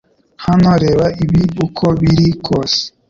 Hano, reba ibi uko biri kose